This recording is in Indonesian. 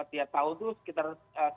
tahun itu sekitar